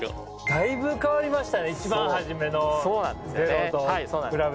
だいぶ変わりましたね一番初めの０と比べたらね。